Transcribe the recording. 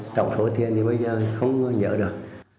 tổng số tiền thì bây giờ không nhớ được